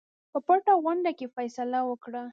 په پټه غونډه کې فیصله وکړه.